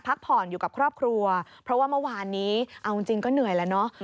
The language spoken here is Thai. พักผ่อนอยู่กับครอบครัวเพราะว่าเมื่อวานนี้เอาจริงก็เหนื่อยแล้วเนอะ